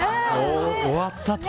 終わったと。